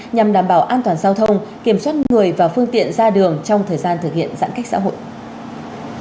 nhằm đảm bảo an toàn giao thông kiểm soát người và phương tiện ra đường trong thời gian thực hiện giãn cách xã hội